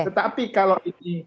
tetapi kalau ini